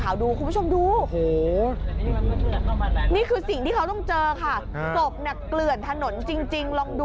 อายุ๓๙ปี